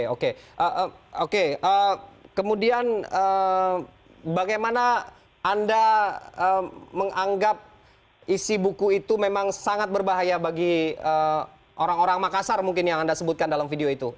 oke oke kemudian bagaimana anda menganggap isi buku itu memang sangat berbahaya bagi orang orang makassar mungkin yang anda sebutkan dalam video itu